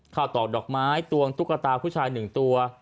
ตอกดอกไม้ตวงตุ๊กตาผู้ชาย๑ตัว